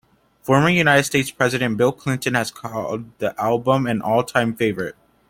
Former United States president Bill Clinton has called the album an all-time favorite.